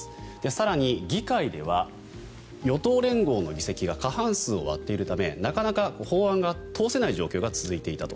更に、議会では与党連合の議席が過半数を割っているためなかなか法案が通せない状況が続いていたと。